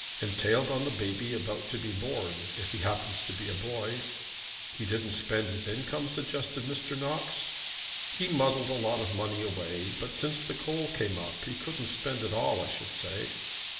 "Entailed on the baby about to be born, if he happens to be a boy." "He didn't spend his income?" suggested Mr. Knox. "He muddled a lot of money away; but since the coal came up he couldn't spend it all, I should say."